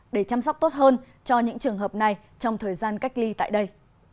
để chăm sóc tốt hơn cho những trường hợp này trong thời gian cách ly tại đây